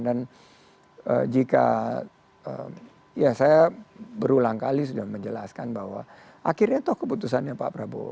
dan jika ya saya berulang kali sudah menjelaskan bahwa akhirnya itu keputusannya pak prabowo